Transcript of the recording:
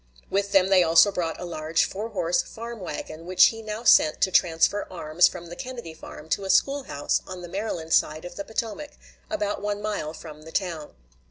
With them they also brought a large four horse farm wagon, which he now sent to transfer arms from the Kennedy farm to a school house on the Maryland side of the Potomac, about one mile from the town.